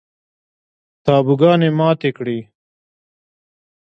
تابوگانې ماتې کړي